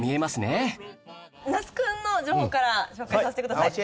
那須君の情報から紹介させてください。